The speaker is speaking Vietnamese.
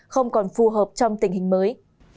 không còn phù hợp trong tình hình mới